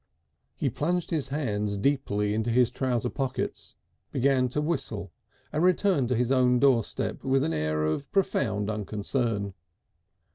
He plunged his hands deeply into his trowser pockets, began to whistle and returned to his own doorstep with an air of profound unconcern.